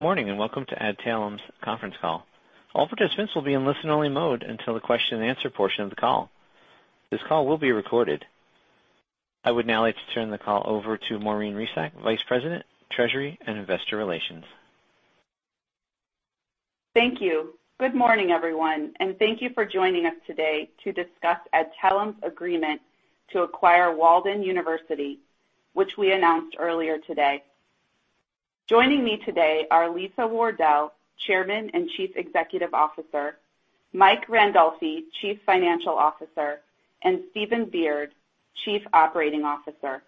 Morning, welcome to Adtalem's conference call. All participants will be in listen-only mode until the question and answer portion of the call. This call will be recorded. I would now like to turn the call over to Maureen Resac, Vice President, Treasury and Investor Relations. Thank you. Good morning, everyone, and thank you for joining us today to discuss Adtalem's agreement to acquire Walden University, which we announced earlier today. Joining me today are Lisa Wardell, Chairman and Chief Executive Officer, Mike Randolfi, Chief Financial Officer, and Stephen Beard, Chief Operating Officer.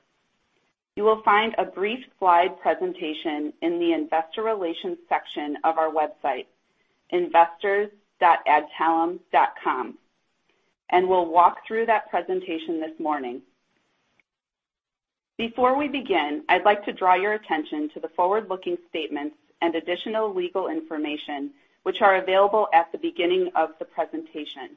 You will find a brief slide presentation in the investor relations section of our website, investors.adtalem.com. We'll walk through that presentation this morning. Before we begin, I'd like to draw your attention to the forward-looking statements and additional legal information which are available at the beginning of the presentation.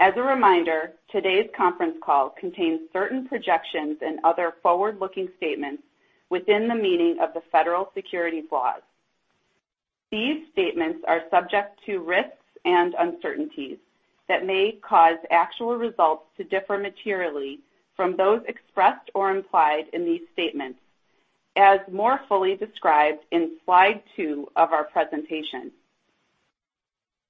As a reminder, today's conference call contains certain projections and other forward-looking statements within the meaning of the federal securities laws. These statements are subject to risks and uncertainties that may cause actual results to differ materially from those expressed or implied in these statements, as more fully described in slide two of our presentation.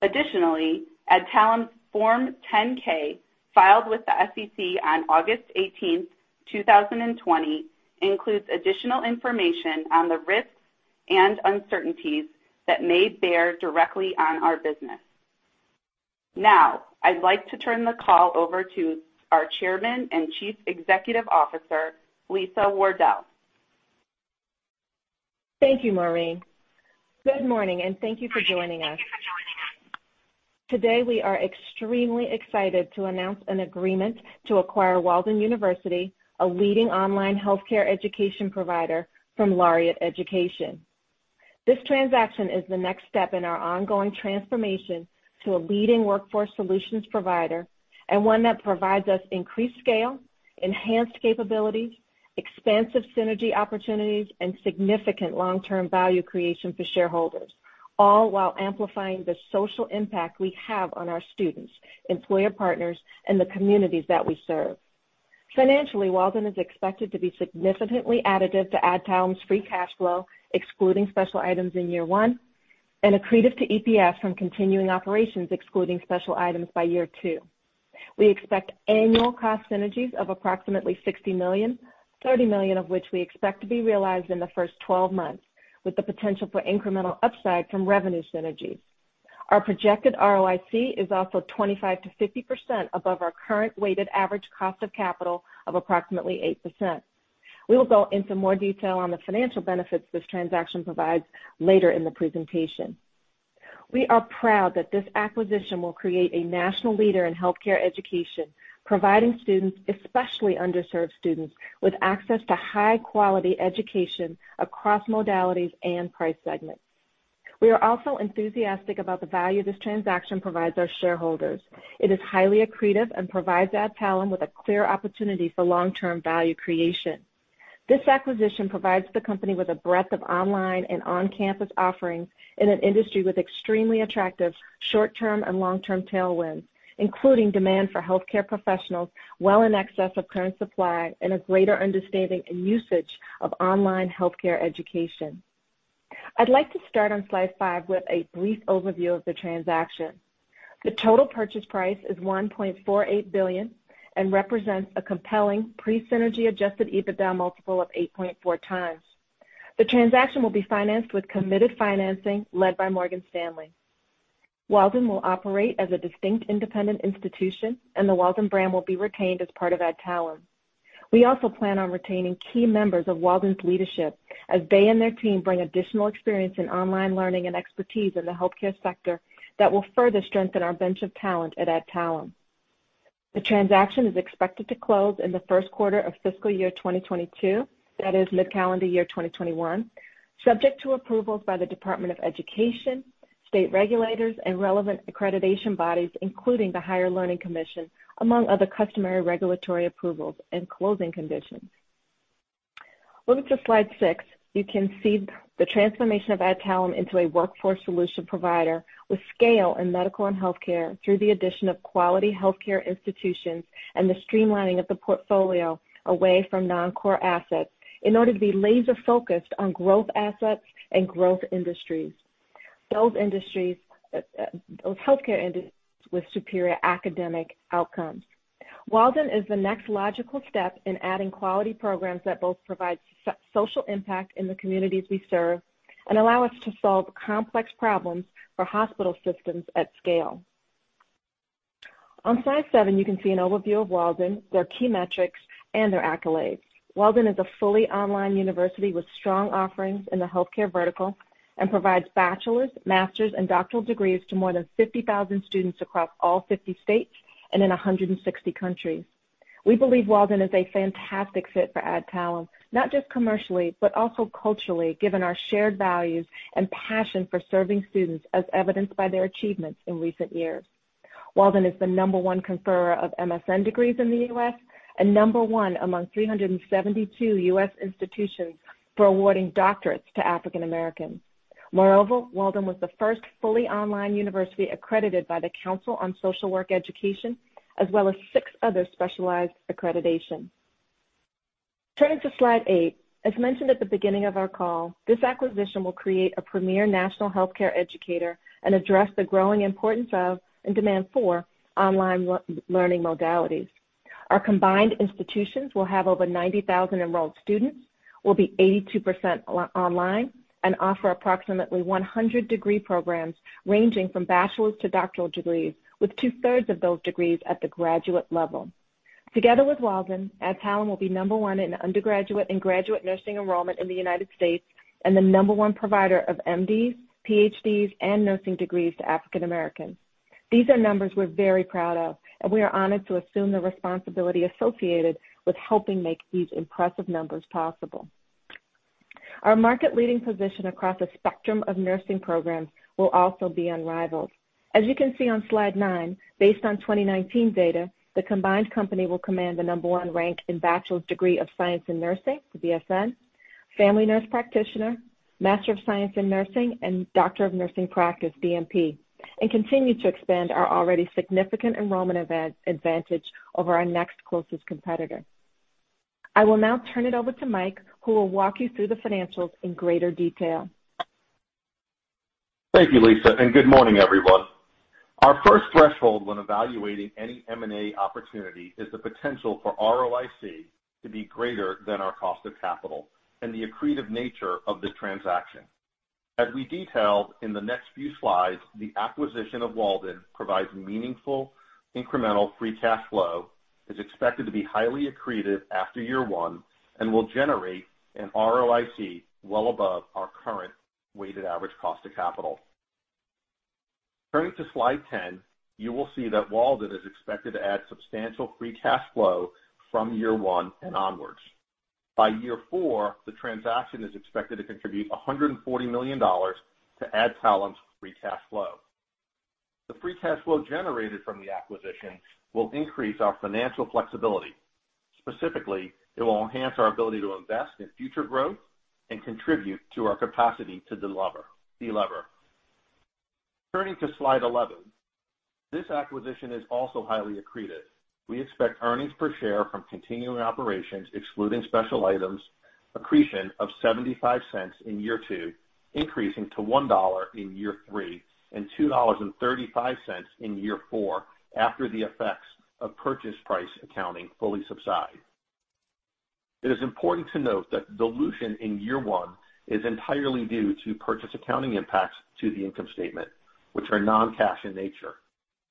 Additionally, Adtalem's Form 10-K, filed with the SEC on August 18, 2020, includes additional information on the risks and uncertainties that may bear directly on our business. Now, I'd like to turn the call over to our Chairman and Chief Executive Officer, Lisa Wardell. Thank you, Maureen. Good morning, and thank you for joining us. Today, we are extremely excited to announce an agreement to acquire Walden University, a leading online healthcare education provider, from Laureate Education. This transaction is the next step in our ongoing transformation to a leading workforce solutions provider and one that provides us increased scale, enhanced capabilities, expansive synergy opportunities, and significant long-term value creation for shareholders, all while amplifying the social impact we have on our students, employer partners, and the communities that we serve. Financially, Walden is expected to be significantly additive to Adtalem's free cash flow, excluding special items in year one, and accretive to EPS from continuing operations excluding special items by year two. We expect annual cost synergies of approximately $60 million, $30 million of which we expect to be realized in the first 12 months, with the potential for incremental upside from revenue synergies. Our projected ROIC is also 25%-50% above our current weighted average cost of capital of approximately 8%. We will go into more detail on the financial benefits this transaction provides later in the presentation. We are proud that this acquisition will create a national leader in healthcare education, providing students, especially underserved students, with access to high-quality education across modalities and price segments. We are also enthusiastic about the value this transaction provides our shareholders. It is highly accretive and provides Adtalem with a clear opportunity for long-term value creation. This acquisition provides the company with a breadth of online and on-campus offerings in an industry with extremely attractive short-term and long-term tailwinds, including demand for healthcare professionals well in excess of current supply and a greater understanding and usage of online healthcare education. I'd like to start on slide five with a brief overview of the transaction. The total purchase price is $1.48 billion and represents a compelling pre-synergy adjusted EBITDA multiple of 8.4x. The transaction will be financed with committed financing led by Morgan Stanley. Walden will operate as a distinct independent institution, and the Walden brand will be retained as part of Adtalem. We also plan on retaining key members of Walden's leadership as they and their team bring additional experience in online learning and expertise in the healthcare sector that will further strengthen our bench of talent at Adtalem. The transaction is expected to close in the first quarter of fiscal year 2022, that is mid-calendar year 2021, subject to approvals by the U.S. Department of Education, state regulators, and relevant accreditation bodies, including the Higher Learning Commission, among other customary regulatory approvals and closing conditions. Looking to slide six, you can see the transformation of Adtalem into a workforce solution provider with scale in medical and healthcare through the addition of quality healthcare institutions and the streamlining of the portfolio away from non-core assets in order to be laser-focused on growth assets and growth industries, healthcare industries with superior academic outcomes. Walden is the next logical step in adding quality programs that both provide social impact in the communities we serve and allow us to solve complex problems for hospital systems at scale. On slide seven, you can see an overview of Walden, their key metrics, and their accolades. Walden is a fully online university with strong offerings in the healthcare vertical and provides bachelor's, master's, and doctoral degrees to more than 50,000 students across all 50 states and in 160 countries. We believe Walden is a fantastic fit for Adtalem, not just commercially, but also culturally, given our shared values and passion for serving students, as evidenced by their achievements in recent years. Walden is the number one conferrer of MSN degrees in the U.S. and number one among 372 U.S. institutions for awarding doctorates to African Americans. Moreover, Walden was the first fully online university accredited by the Council on Social Work Education, as well as six other specialized accreditations. Turning to slide eight, as mentioned at the beginning of our call, this acquisition will create a premier national healthcare educator and address the growing importance of and demand for online learning modalities. Our combined institutions will have over 90,000 enrolled students, will be 82% online, and offer approximately 100 degree programs ranging from bachelor's to doctoral degrees, with two-thirds of those degrees at the graduate level. Together with Walden, Adtalem will be number one in undergraduate and graduate nursing enrollment in the United States and the number one provider of MDs, PhDs, and nursing degrees to African Americans. These are numbers we're very proud of, and we are honored to assume the responsibility associated with helping make these impressive numbers possible. Our market-leading position across a spectrum of nursing programs will also be unrivaled. As you can see on slide nine, based on 2019 data, the combined company will command the number one rank in Bachelor's Degree of Science in Nursing, the BSN, Family Nurse Practitioner, Master of Science in Nursing, and Doctor of Nursing Practice, DNP, and continue to expand our already significant enrollment advantage over our next closest competitor. I will now turn it over to Mike, who will walk you through the financials in greater detail. Thank you, Lisa, and good morning, everyone. Our first threshold when evaluating any M&A opportunity is the potential for ROIC to be greater than our cost of capital and the accretive nature of the transaction. As we detailed in the next few slides, the acquisition of Walden provides meaningful incremental free cash flow, is expected to be highly accretive after year one, and will generate an ROIC well above our current weighted average cost of capital. Turning to slide 10, you will see that Walden is expected to add substantial free cash flow from year one and onwards. By year four, the transaction is expected to contribute $140 million to Adtalem's free cash flow. The free cash flow generated from the acquisition will increase our financial flexibility. Specifically, it will enhance our ability to invest in future growth and contribute to our capacity to delever. Turning to slide 11, this acquisition is also highly accretive. We expect earnings per share from continuing operations excluding special items accretion of $0.75 in year two, increasing to $1 in year three and $2.35 in year four, after the effects of purchase price accounting fully subside. It is important to note that dilution in year one is entirely due to purchase accounting impacts to the income statement, which are non-cash in nature.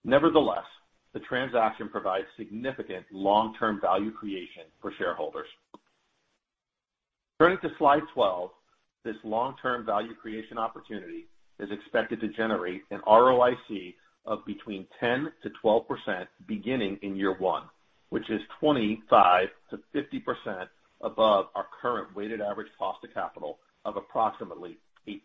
Nevertheless, the transaction provides significant long-term value creation for shareholders. Turning to slide 12, this long-term value creation opportunity is expected to generate an ROIC of between 10%-12% beginning in year 1, which is 25%-50% above our current weighted average cost of capital of approximately 8%.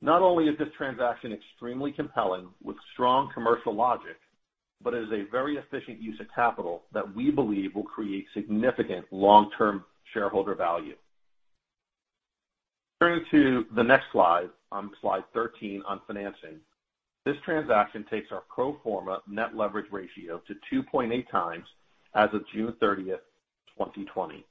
Not only is this transaction extremely compelling with strong commercial logic, but it is a very efficient use of capital that we believe will create significant long-term shareholder value. Turning to the next slide 13 on financing. This transaction takes our pro forma net leverage ratio to 2.8x as of June 30th, 2020.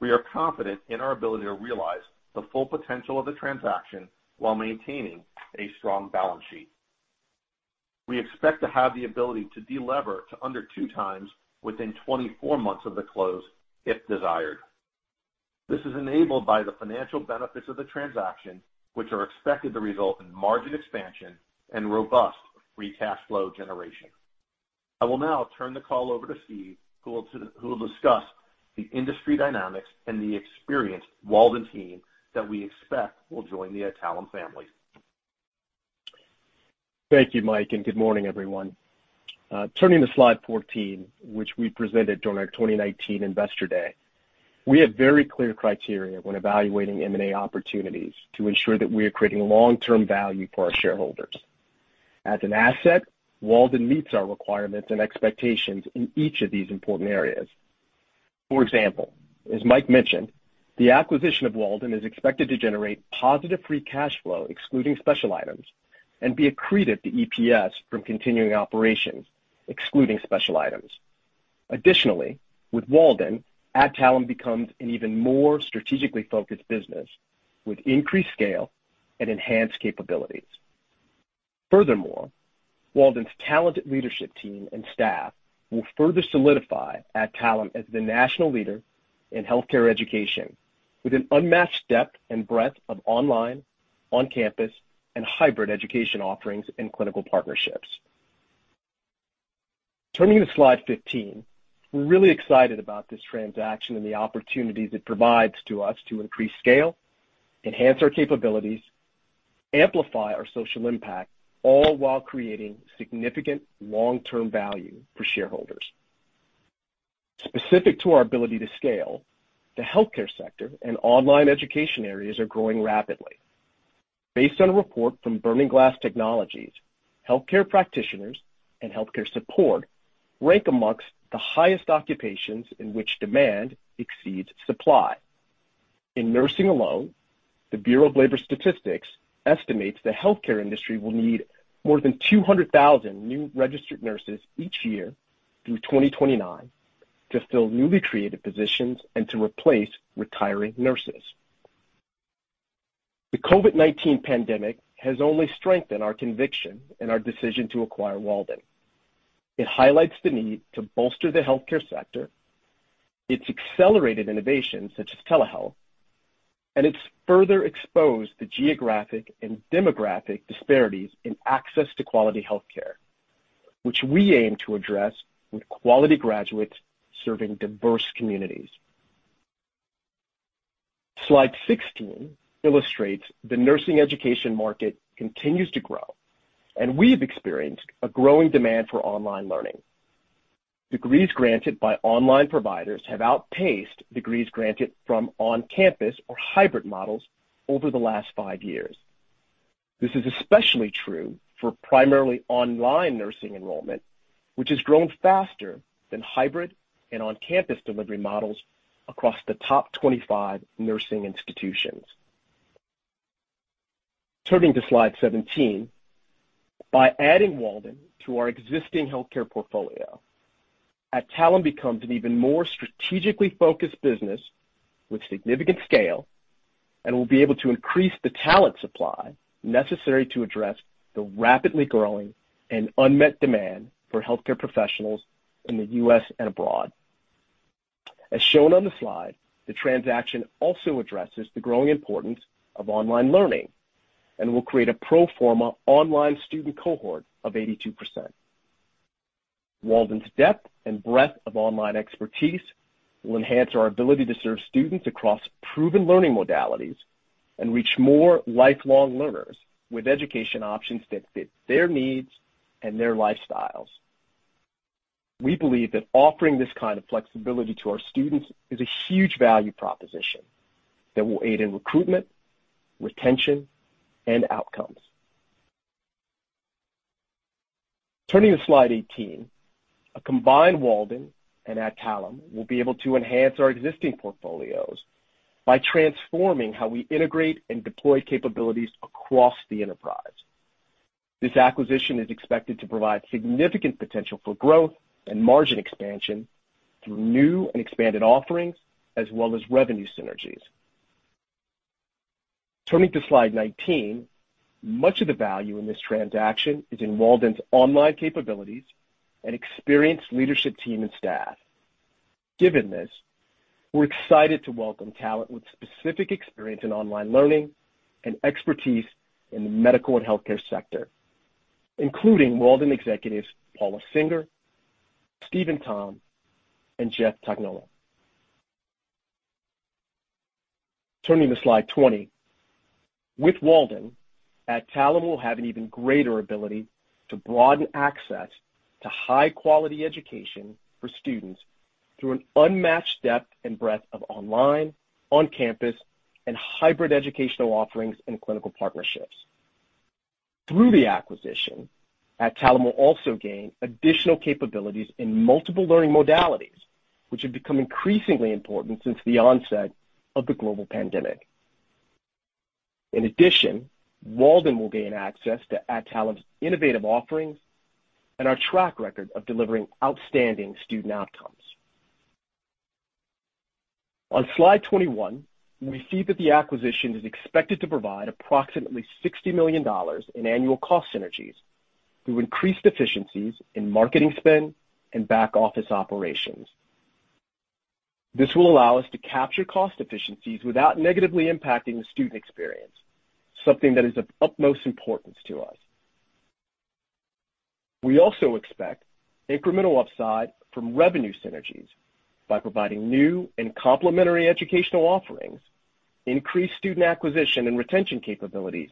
We are confident in our ability to realize the full potential of the transaction while maintaining a strong balance sheet. We expect to have the ability to delever to under 2x within 24 months of the close if desired. This is enabled by the financial benefits of the transaction, which are expected to result in margin expansion and robust free cash flow generation. I will now turn the call over to Stephen, who will discuss the industry dynamics and the experienced Walden team that we expect will join the Adtalem family. Thank you, Mike, and good morning, everyone. Turning to slide 14, which we presented during our 2019 Investor Day. We have very clear criteria when evaluating M&A opportunities to ensure that we are creating long-term value for our shareholders. As an asset, Walden meets our requirements and expectations in each of these important areas. For example, as Mike mentioned, the acquisition of Walden is expected to generate positive free cash flow, excluding special items, and be accretive to EPS from continuing operations, excluding special items. Additionally, with Walden, Adtalem becomes an even more strategically focused business with increased scale and enhanced capabilities. Furthermore, Walden's talented leadership team and staff will further solidify Adtalem as the national leader in healthcare education with an unmatched depth and breadth of online, on-campus, and hybrid education offerings and clinical partnerships. Turning to slide 15, we're really excited about this transaction and the opportunities it provides to us to increase scale, enhance our capabilities, amplify our social impact, all while creating significant long-term value for shareholders. Specific to our ability to scale, the healthcare sector and online education areas are growing rapidly. Based on a report from Burning Glass Technologies, healthcare practitioners and healthcare support rank amongst the highest occupations in which demand exceeds supply. In nursing alone, the Bureau of Labor Statistics estimates the healthcare industry will need more than 200,000 new registered nurses each year through 2029 to fill newly created positions and to replace retiring nurses. The COVID-19 pandemic has only strengthened our conviction in our decision to acquire Walden. It highlights the need to bolster the healthcare sector. It's accelerated innovations such as telehealth, and it's further exposed the geographic and demographic disparities in access to quality healthcare, which we aim to address with quality graduates serving diverse communities. Slide 16 illustrates the nursing education market continues to grow, and we've experienced a growing demand for online learning. Degrees granted by online providers have outpaced degrees granted from on-campus or hybrid models over the last five years. This is especially true for primarily online nursing enrollment, which has grown faster than hybrid and on-campus delivery models across the top 25 nursing institutions. Turning to slide 17, by adding Walden to our existing healthcare portfolio, Adtalem becomes an even more strategically focused business with significant scale, and we'll be able to increase the talent supply necessary to address the rapidly growing and unmet demand for healthcare professionals in the U.S. and abroad. As shown on the slide, the transaction also addresses the growing importance of online learning and will create a pro forma online student cohort of 82%. Walden's depth and breadth of online expertise will enhance our ability to serve students across proven learning modalities and reach more lifelong learners with education options that fit their needs and their lifestyles. We believe that offering this kind of flexibility to our students is a huge value proposition that will aid in recruitment, retention, and outcomes. Turning to slide 18, a combined Walden and Adtalem will be able to enhance our existing portfolios by transforming how we integrate and deploy capabilities across the enterprise. This acquisition is expected to provide significant potential for growth and margin expansion through new and expanded offerings as well as revenue synergies. Turning to slide 19, much of the value in this transaction is in Walden's online capabilities and experienced leadership team and staff. Given this, we're excited to welcome talent with specific experience in online learning and expertise in the medical and healthcare sector, including Walden executives Paula Singer, Steven Tom, and Jeff Tognola. Turning to slide 20. With Walden, Adtalem will have an even greater ability to broaden access to high-quality education for students through an unmatched depth and breadth of online, on-campus, and hybrid educational offerings and clinical partnerships. Through the acquisition, Adtalem will also gain additional capabilities in multiple learning modalities, which have become increasingly important since the onset of the global pandemic. In addition, Walden will gain access to Adtalem's innovative offerings and our track record of delivering outstanding student outcomes. On slide 21, we see that the acquisition is expected to provide approximately $60 million in annual cost synergies through increased efficiencies in marketing spend and back-office operations. This will allow us to capture cost efficiencies without negatively impacting the student experience, something that is of utmost importance to us. We also expect incremental upside from revenue synergies by providing new and complementary educational offerings, increased student acquisition and retention capabilities,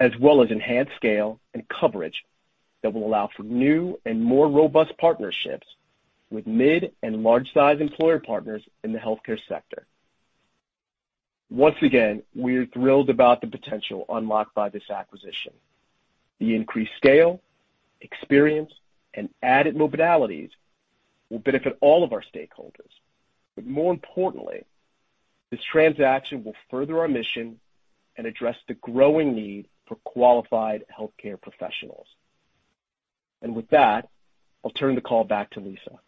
as well as enhanced scale and coverage that will allow for new and more robust partnerships with mid and large-size employer partners in the healthcare sector. Once again, we are thrilled about the potential unlocked by this acquisition. The increased scale, experience, and added modalities will benefit all of our stakeholders. More importantly, this transaction will further our mission and address the growing need for qualified healthcare professionals. With that, I'll turn the call back to Lisa.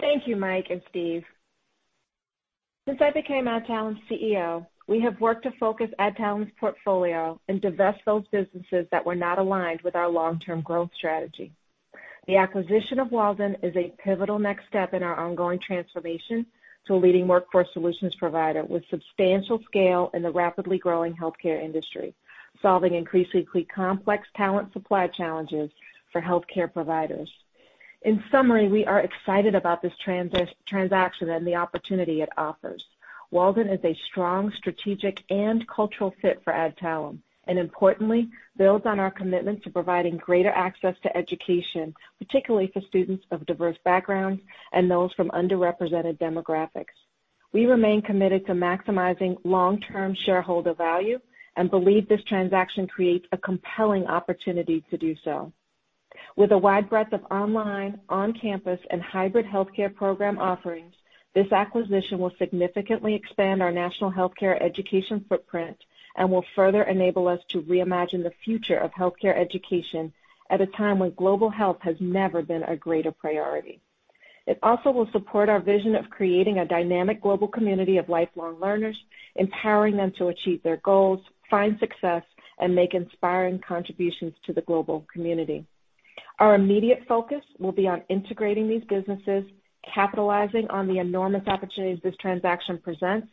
Thank you, Mike and Steve. Since I became Adtalem's CEO, we have worked to focus Adtalem's portfolio and divest those businesses that were not aligned with our long-term growth strategy. The acquisition of Walden is a pivotal next step in our ongoing transformation to a leading workforce solutions provider with substantial scale in the rapidly growing healthcare industry, solving increasingly complex talent supply challenges for healthcare providers. In summary, we are excited about this transaction and the opportunity it offers. Walden is a strong strategic and cultural fit for Adtalem, and importantly builds on our commitment to providing greater access to education, particularly for students of diverse backgrounds and those from underrepresented demographics. We remain committed to maximizing long-term shareholder value and believe this transaction creates a compelling opportunity to do so. With a wide breadth of online, on-campus, and hybrid healthcare program offerings, this acquisition will significantly expand our national healthcare education footprint and will further enable us to reimagine the future of healthcare education at a time when global health has never been a greater priority. It also will support our vision of creating a dynamic global community of lifelong learners, empowering them to achieve their goals, find success, and make inspiring contributions to the global community. Our immediate focus will be on integrating these businesses, capitalizing on the enormous opportunities this transaction presents,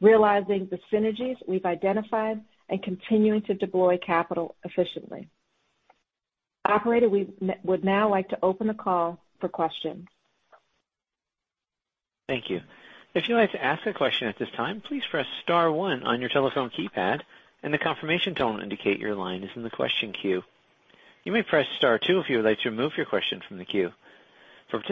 realizing the synergies we've identified, and continuing to deploy capital efficiently. Operator, we would now like to open the call for questions. Our first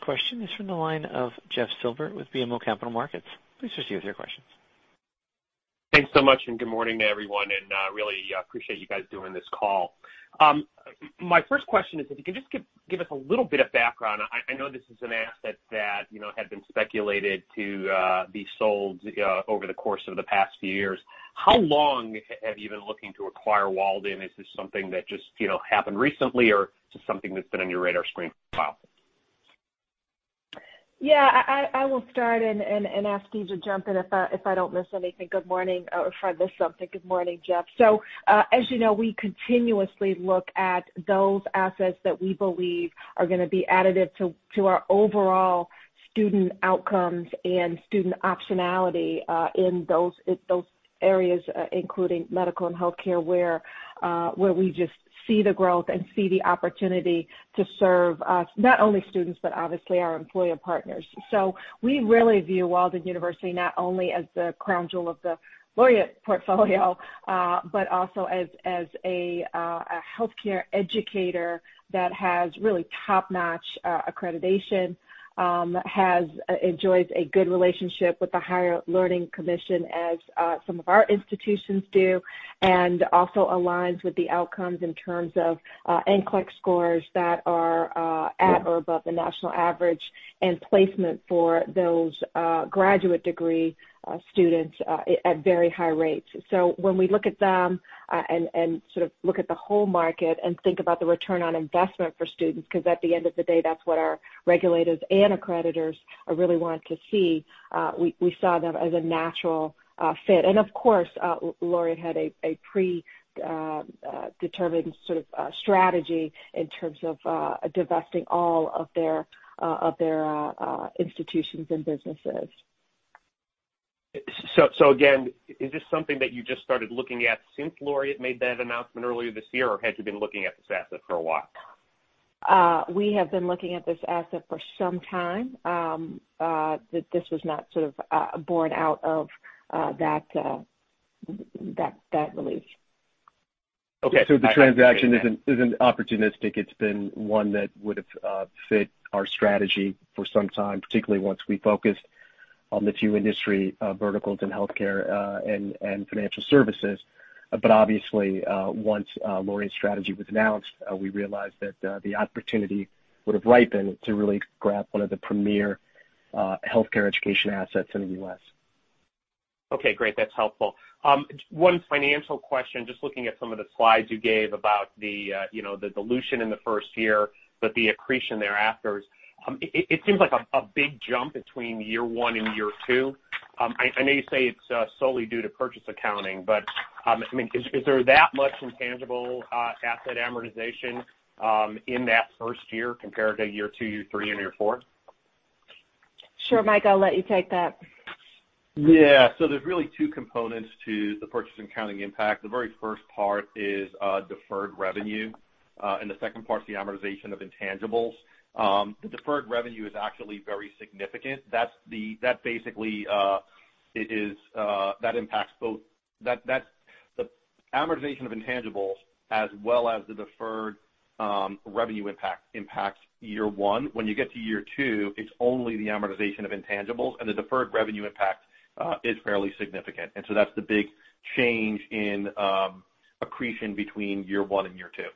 question is from the line of Jeff Silber with BMO Capital Markets. Please proceed with your questions. Thanks so much and good morning to everyone, and really appreciate you guys doing this call. My first question is if you can just give us a little bit of background. I know this is an asset that had been speculated to be sold over the course of the past few years. How long have you been looking to acquire Walden? Is this something that just happened recently or is this something that's been on your radar screen for a while? Yeah. I will start and ask Steve to jump in if I don't miss anything. Good morning. Or if I miss something. Good morning, Jeff. As you know, we continuously look at those assets that we believe are going to be additive to our overall student outcomes and student optionality, in those areas, including medical and healthcare, where we just see the growth and see the opportunity to serve not only students, but obviously our employer partners. We really view Walden University not only as the crown jewel of the Laureate portfolio, but also as a healthcare educator that has really top-notch accreditation, enjoys a good relationship with the Higher Learning Commission, as some of our institutions do, and also aligns with the outcomes in terms of NCLEX scores that are at or above the national average, and placement for those graduate degree students at very high rates. When we look at them and look at the whole market and think about the return on investment for students, because at the end of the day, that's what our regulators and accreditors really want to see, we saw them as a natural fit. Of course, Laureate had a predetermined sort of strategy in terms of divesting all of their institutions and businesses. Again, is this something that you just started looking at since Laureate made that announcement earlier this year, or had you been looking at this asset for a while? We have been looking at this asset for some time. This was not born out of that release. Okay. The transaction isn't opportunistic. It's been one that would have fit our strategy for some time, particularly once we focused on the two industry verticals in healthcare and financial services. Obviously, once Laureate's strategy was announced, we realized that the opportunity would have ripened to really grab one of the premier healthcare education assets in the U.S. Great. That's helpful. One financial question, just looking at some of the slides you gave about the dilution in the first year, but the accretion thereafter. It seems like a big jump between year one and year two. I know you say it's solely due to purchase accounting, but is there that much intangible asset amortization in that first year compared to year two, year three, and year four? Sure. Mike, I'll let you take that. Yeah. There's really two components to the purchase accounting impact. The very first part is deferred revenue, and the second part is the amortization of intangibles. The amortization of intangibles as well as the deferred revenue impact impacts year one. When you get to year two, it's only the amortization of intangibles, and the deferred revenue impact is fairly significant. That's the big change in accretion between year one and year two.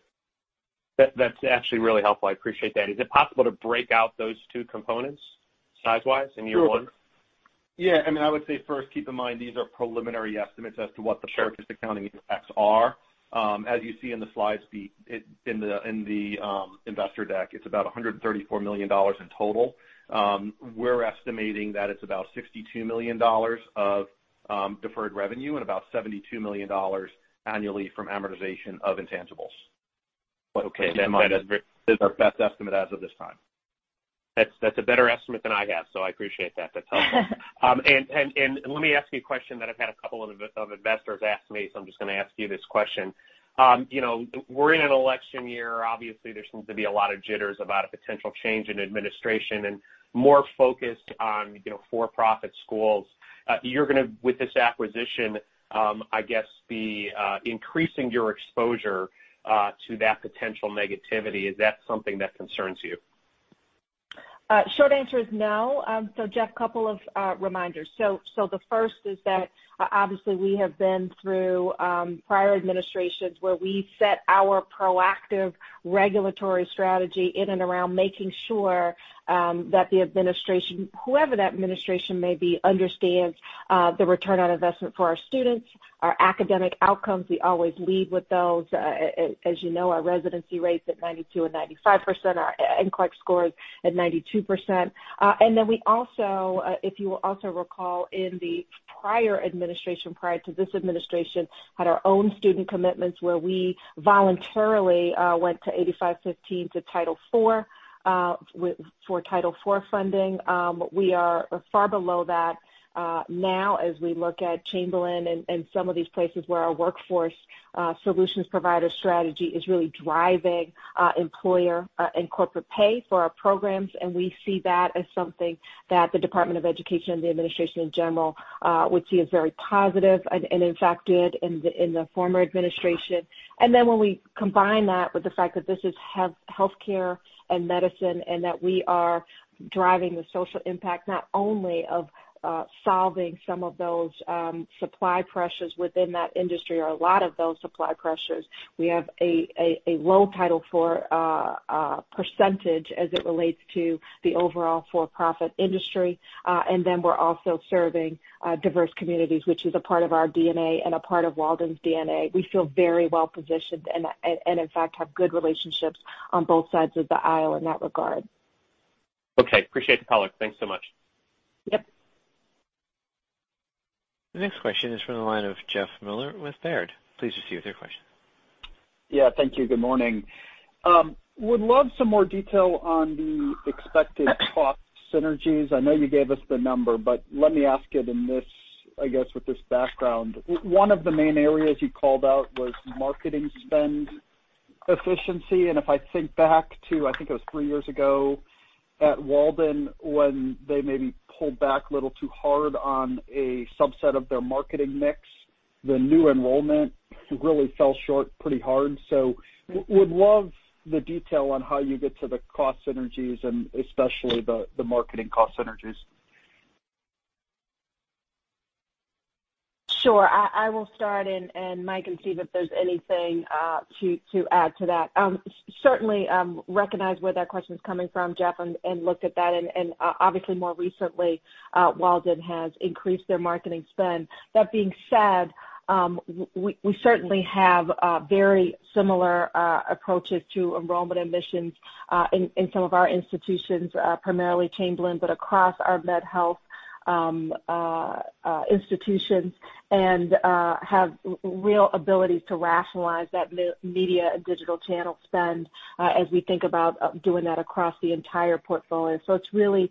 That's actually really helpful. I appreciate that. Is it possible to break out those two components size-wise in year one? Sure. Yeah. I would say first, keep in mind these are preliminary estimates as to what the purchase accounting impacts are. As you see in the slides in the investor deck, it's about $134 million in total. We're estimating that it's about $62 million of deferred revenue and about $72 million annually from amortization of intangibles. Okay. That is our best estimate as of this time. That's a better estimate than I have, so I appreciate that. That's helpful. Let me ask you a question that I've had a couple of investors ask me, so I'm just going to ask you this question. We're in an election year. Obviously, there seems to be a lot of jitters about a potential change in administration and more focus on for-profit schools. You're going to, with this acquisition, I guess, be increasing your exposure to that potential negativity. Is that something that concerns you? Short answer is no. Jeff, couple of reminders. The first is that obviously we have been through prior administrations where we set our proactive regulatory strategy in and around making sure that the administration, whoever that administration may be, understands the ROI for our students, our academic outcomes. We always lead with those. As you know, our residency rate's at 92% and 95%, our NCLEX score is at 92%. We also, if you will also recall in the prior administration, prior to this administration, had our own student commitments where we voluntarily went to 85/15 for Title IV funding. We are far below that now as we look at Chamberlain and some of these places where our workforce solutions provider strategy is really driving employer and corporate pay for our programs. We see that as something that the Department of Education and the administration in general would see as very positive and in fact did in the former administration. When we combine that with the fact that this is healthcare and medicine and that we are driving the social impact not only of solving some of those supply pressures within that industry or a lot of those supply pressures. We have a low Title IV percentage as it relates to the overall for-profit industry. We're also serving diverse communities, which is a part of our DNA and a part of Walden's DNA. We feel very well-positioned and in fact have good relationships on both sides of the aisle in that regard. Okay. Appreciate the color. Thanks so much. Yep. The next question is from the line of Jeff Mueller with Baird. Please proceed with your question. Thank you. Good morning. Would love some more detail on the expected cost synergies. I know you gave us the number, but let me ask it in this, I guess, with this background. One of the main areas you called out was marketing spend efficiency, and if I think back to, I think it was three years ago at Walden, when they maybe pulled back a little too hard on a subset of their marketing mix, the new enrollment really fell short pretty hard. Would love the detail on how you get to the cost synergies and especially the marketing cost synergies. Sure. I will start, and Mike can see if there's anything to add to that. Certainly, recognize where that question's coming from, Jeff, and looked at that, and obviously more recently, Walden has increased their marketing spend. That being said, we certainly have very similar approaches to enrollment admissions in some of our institutions, primarily Chamberlain, but across our med health institutions, and have real abilities to rationalize that media and digital channel spend as we think about doing that across the entire portfolio. It's really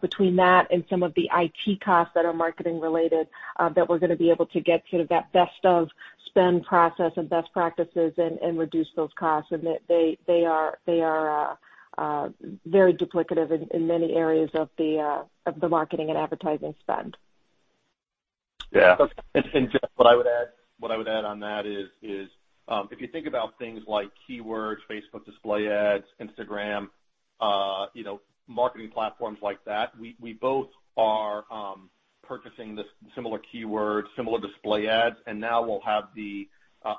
between that and some of the IT costs that are marketing related that we're going to be able to get to that best of spend process and best practices and reduce those costs. They are very duplicative in many areas of the marketing and advertising spend. Yeah. That's- Jeff, what I would add on that is if you think about things like keywords, Facebook display ads, Instagram, marketing platforms like that, we both are purchasing the similar keywords, similar display ads, and now we'll have the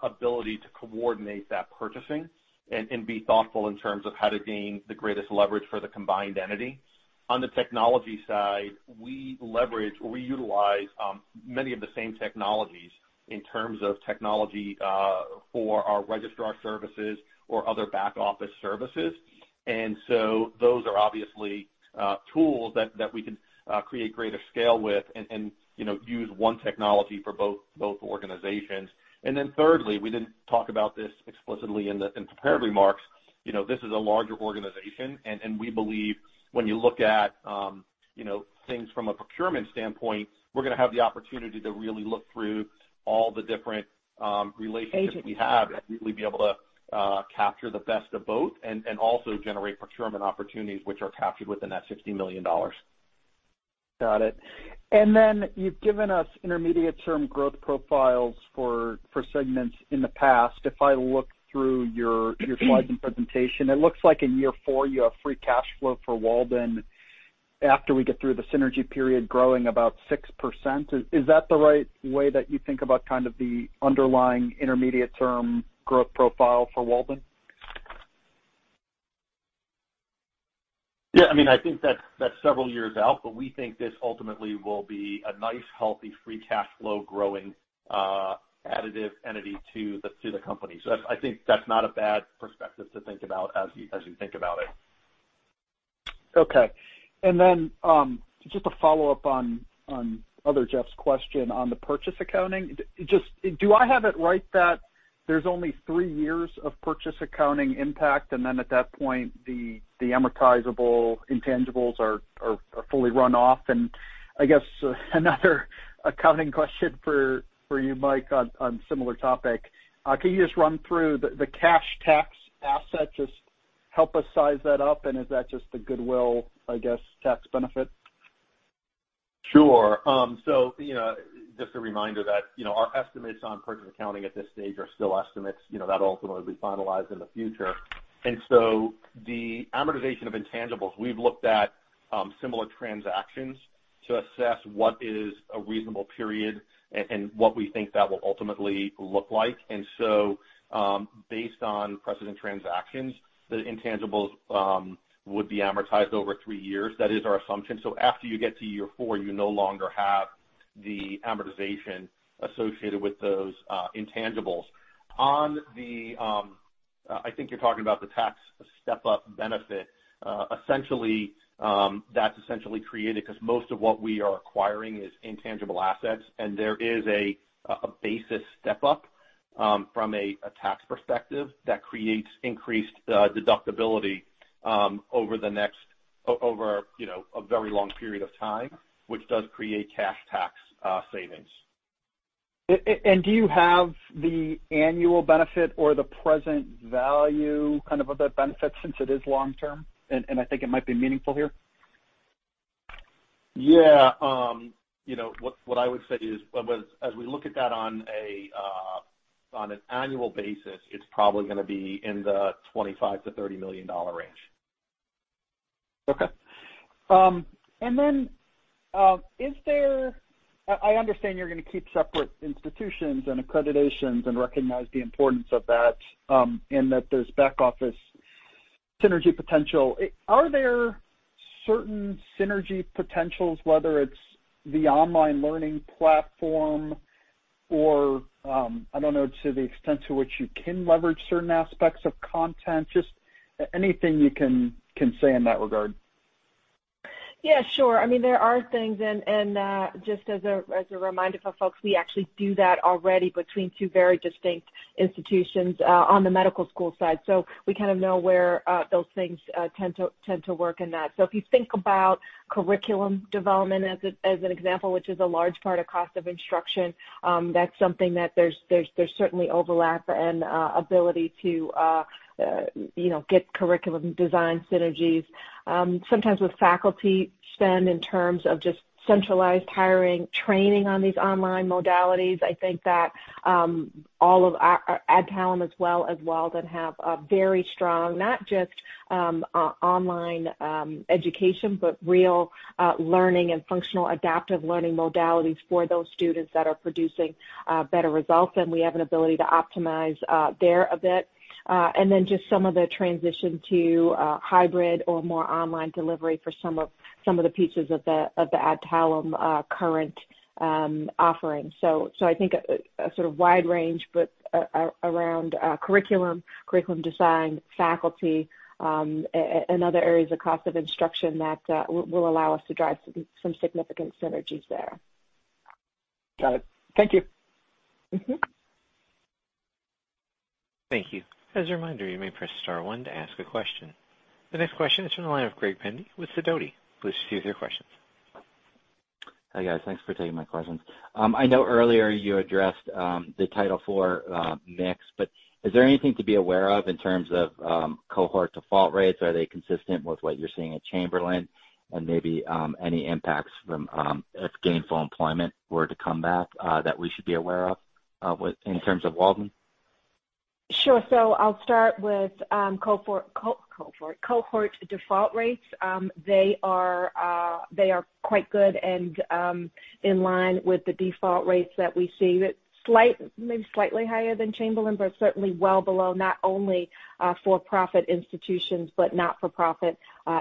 ability to coordinate that purchasing and be thoughtful in terms of how to gain the greatest leverage for the combined entity. On the technology side, we leverage or we utilize many of the same technologies in terms of technology for our registrar services or other back office services. So those are obviously tools that we can create greater scale with and use one technology for both organizations. Then thirdly, we didn't talk about this explicitly in the prepared remarks. This is a larger organization, and we believe when you look at things from a procurement standpoint, we're going to have the opportunity to really look through all the different relationships we have. Really be able to capture the best of both and also generate procurement opportunities which are captured within that $60 million. Got it. You've given us intermediate term growth profiles for segments in the past. If I look through your slides and presentation, it looks like in year four you have free cash flow for Walden after we get through the synergy period growing about 6%. Is that the right way that you think about kind of the underlying intermediate term growth profile for Walden? Yeah, I think that's several years out, but we think this ultimately will be a nice, healthy free cash flow growing additive entity to the company. I think that's not a bad perspective to think about as you think about it. Okay. Just a follow-up on other Jeff's question on the purchase accounting. Do I have it right that there's only three years of purchase accounting impact, and then at that point, the amortizable intangibles are fully run off. I guess another accounting question for you, Mike, on similar topic. Can you just run through the cash tax asset, just help us size that up, and is that just the goodwill, I guess, tax benefit? Sure. Just a reminder that our estimates on purchase accounting at this stage are still estimates that ultimately will be finalized in the future. The amortization of intangibles, we've looked at similar transactions to assess what is a reasonable period and what we think that will ultimately look like. Based on precedent transactions, the intangibles would be amortized over three years. That is our assumption. After you get to year four, you no longer have the amortization associated with those intangibles. I think you're talking about the tax step-up benefit. Essentially, that's essentially created because most of what we are acquiring is intangible assets, and there is a basis step-up, from a tax perspective, that creates increased deductibility over a very long period of time, which does create cash tax savings. Do you have the annual benefit or the present value of the benefit, since it is long term, and I think it might be meaningful here? Yeah. What I would say is, as we look at that on an annual basis, it's probably going to be in the $25 million-$30 million range. Okay. I understand you're going to keep separate institutions and accreditations and recognize the importance of that, in that there's back office synergy potential. Are there certain synergy potentials, whether it's the online learning platform or, I don't know, to the extent to which you can leverage certain aspects of content, just anything you can say in that regard? Yeah, sure. There are things, and just as a reminder for folks, we actually do that already between two very distinct institutions on the medical school side. We kind of know where those things tend to work in that. If you think about curriculum development as an example, which is a large part of cost of instruction, that's something that there's certainly overlap and ability to get curriculum design synergies. Sometimes with faculty spend in terms of just centralized hiring, training on these online modalities. I think that all of Adtalem as well as Walden have a very strong, not just online education, but real learning and functional adaptive learning modalities for those students that are producing better results, and we have an ability to optimize there a bit. Just some of the transition to hybrid or more online delivery for some of the pieces of the Adtalem current offering. I think a sort of wide range, but around curriculum design, faculty, and other areas of cost of instruction that will allow us to drive some significant synergies there. Got it. Thank you. Thank you. The next question is from the line of Greg Pendy with Sidoti. Please proceed with your questions. Hi, guys. Thanks for taking my questions. I know earlier you addressed the Title IV mix, is there anything to be aware of in terms of cohort default rates? Are they consistent with what you're seeing at Chamberlain? Maybe any impacts from if gainful employment were to come back that we should be aware of in terms of Walden? Sure. I'll start with cohort default rates. They are quite good and in line with the default rates that we see. Maybe slightly higher than Chamberlain, but certainly well below not only for-profit institutions, but not-for-profit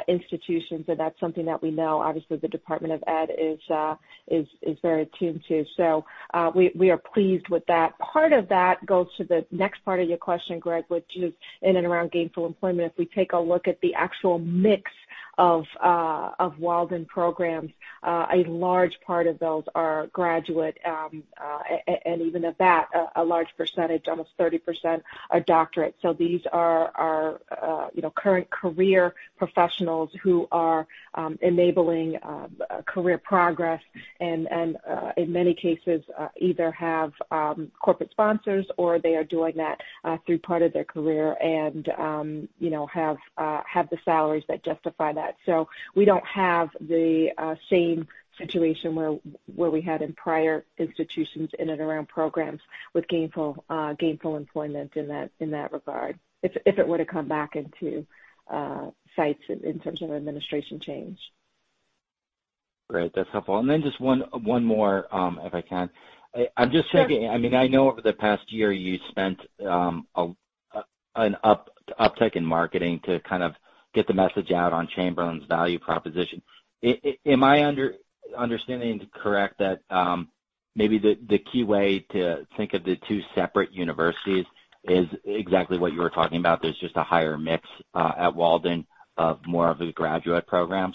institutions. That's something that we know, obviously, the Department of Ed is very attuned to. We are pleased with that. Part of that goes to the next part of your question, Greg, which is in and around gainful employment. If we take a look at the actual mix of Walden programs, a large part of those are graduate, and even at that, a large percentage, almost 30%, are doctorate. These are current career professionals who are enabling career progress and, in many cases, either have corporate sponsors or they are doing that through part of their career and have the salaries that justify that. We don't have the same situation where we had in prior institutions in and around programs with gainful employment in that regard, if it were to come back into sites in terms of administration change. Great. That's helpful. Just one more, if I can. Sure. I know over the past year you spent an uptick in marketing to kind of get the message out on Chamberlain's value proposition. Am I understanding correct that maybe the key way to think of the two separate universities is exactly what you were talking about, there's just a higher mix at Walden of more of the graduate programs,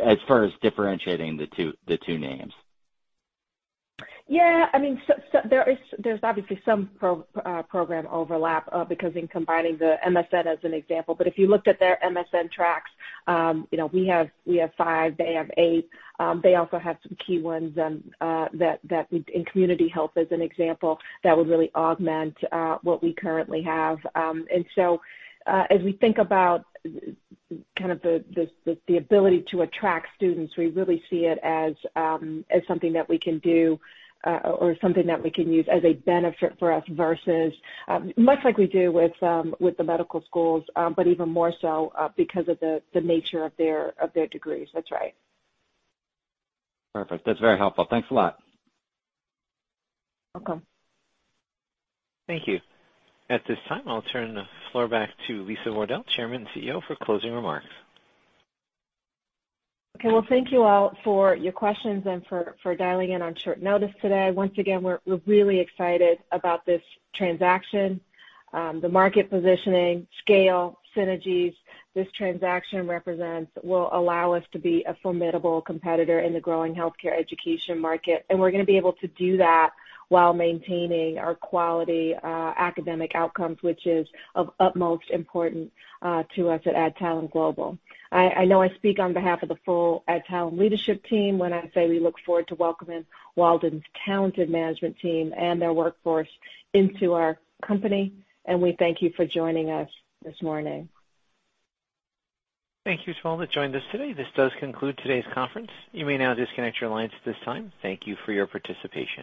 as far as differentiating the two names? There's obviously some program overlap, because in combining the MSN as an example, but if you looked at their MSN tracks, we have five, they have eight. They also have some key ones in community health, as an example, that would really augment what we currently have. As we think about the ability to attract students, we really see it as something that we can do, or something that we can use as a benefit for us versus, much like we do with the medical schools, but even more so because of the nature of their degrees. That's right. Perfect. That's very helpful. Thanks a lot. Welcome. Thank you. At this time, I'll turn the floor back to Lisa Wardell, Chairman and CEO, for closing remarks. Okay. Well, thank you all for your questions and for dialing in on short notice today. Once again, we're really excited about this transaction. The market positioning, scale, synergies this transaction represents will allow us to be a formidable competitor in the growing healthcare education market. We're going to be able to do that while maintaining our quality academic outcomes, which is of utmost importance to us at Adtalem Global. I know I speak on behalf of the full Adtalem leadership team when I say we look forward to welcoming Walden's talented management team and their workforce into our company, and we thank you for joining us this morning. Thank you to all that joined us today. This does conclude today's conference. You may now disconnect your lines at this time. Thank you for your participation.